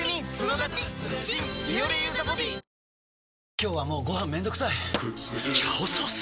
今日はもうご飯めんどくさい「炒ソース」！？